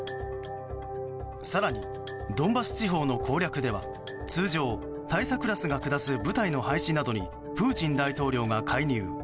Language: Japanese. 更に、ドンバス地方の攻略では通常、大佐クラスなどが下す部隊の廃止などにプーチン大統領が介入。